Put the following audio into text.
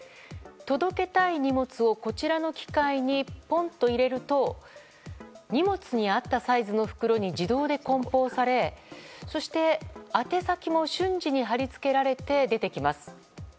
届けたい荷物をこちらの機械にポンッと入れると荷物に合ったサイズの袋に自動で梱包されそして宛先も瞬時に貼り付けられて出てきます。